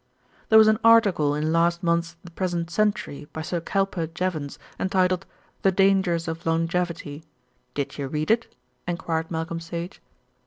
"There was an article in last month's The Present Century by Sir Kelper Jevons entitled 'The Dangers of Longevity.' Did you read it?" enquired Malcolm Sage.